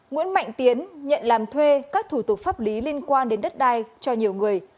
nguyễn mạnh tiến nhận làm thuê các thủ tục pháp lý liên quan đến đất đai cho nhiều người